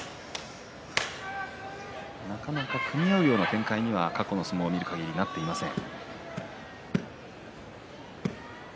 なかなか組み合うような展開には過去の相撲を見るかぎりなっていません。